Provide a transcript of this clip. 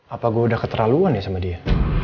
apa gue udah keterlaluan ya sama dia